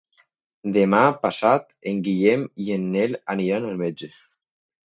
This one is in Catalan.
Demà passat en Guillem i en Nel aniran al metge.